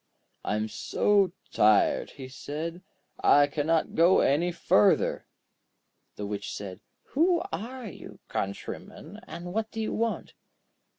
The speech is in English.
'I am so tired,' he said; 'I cannot go any further.' The Witch said: 'Who are you, countryman, and what do you want?'